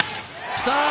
きた。